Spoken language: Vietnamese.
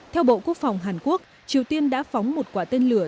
theo bộ quốc phòng hàn quốc triều tiên đã phóng một quả tên lửa